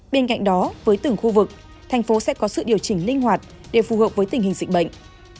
bên cạnh đó với từng khu vực thành phố sẽ có sự điều chỉnh linh hoạt để phù hợp với tình hình dịch bệnh